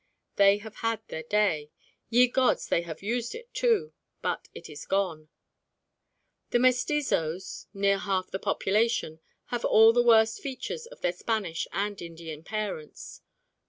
They have had their day. Ye Gods! they have used it, too; but it is gone. The mestizos near half the population have all the worst features of their Spanish and Indian parents.